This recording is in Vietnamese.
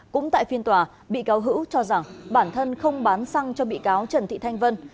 cũng tại phiên tòa bị cáo hữu cho rằng bản thân không bán xăng cho bị cáo trần thị thanh vân